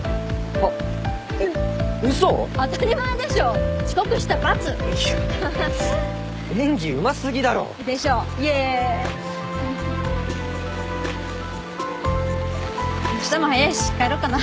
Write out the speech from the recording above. あしたも早いし帰ろうかな。